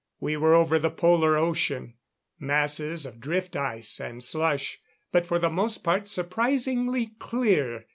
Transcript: We were over the Polar ocean. Masses of drift ice and slush, but for the most part surprisingly clear.